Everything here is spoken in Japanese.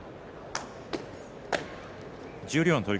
十両の取組